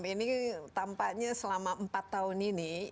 ini tampaknya selama empat tahun ini